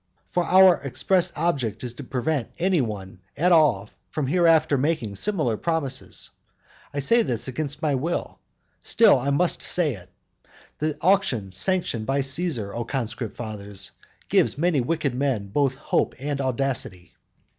for our express object is to prevent any one at all from hereafter making similar promises. I say this against my will, still I must say it; the auction sanctioned by Caesar, O conscript fathers, gives many wicked men both hope and audacity.